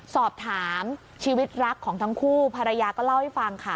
สอบถามชีวิตรักของทั้งคู่ภรรยาก็เล่าให้ฟังค่ะ